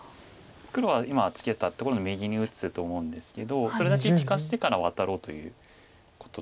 黒は今ツケたところの右に打つと思うんですけどそれだけ利かせてからワタろうということだと思います。